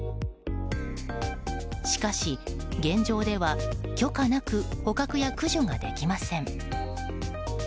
しかし、現状では許可なく捕獲や駆除ができません。